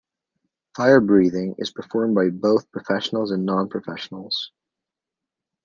Fire breathing is performed by both professionals and non-professionals.